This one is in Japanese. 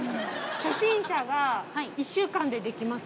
初心者が１週間でできます？